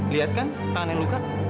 lihat kan tangannya luka